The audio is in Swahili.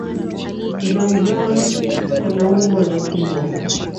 ZamZam anaumwa na tumbo